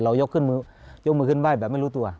เรายกขึ้นมือยกมือขึ้นบ้านแบบไม่รู้ตัว